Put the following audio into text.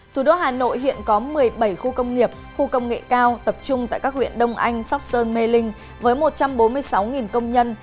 thủ đô hà nội hiện có một mươi bảy khu công nghiệp khu công nghệ cao tập trung tại các huyện đông anh sóc sơn mê linh với một trăm bốn mươi sáu công nhân